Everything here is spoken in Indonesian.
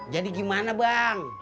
jadi gimana bang